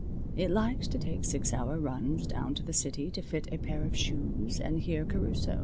It likes to take six hour runs down to the city to fit a pair of shoes and hear Caruso.